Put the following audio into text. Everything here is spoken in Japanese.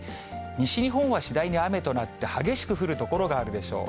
西日本は次第に雨となって、激しく降る所があるでしょう。